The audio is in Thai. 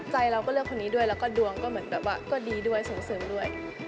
ใจเราก็เลือกคนนี้ด้วยแล้วก็ดวงก็ดีด้วยสูงสึงด้วย